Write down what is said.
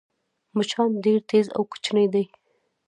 مچان ډېر تېز او کوچني دي